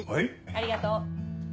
ありがとう。